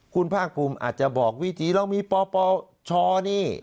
คุณภาคภูมิอาจจะบอกวิธีเรามีปปชนี่